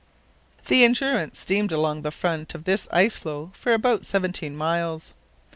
The Endurance steamed along the front of this ice flow for about seventeen miles.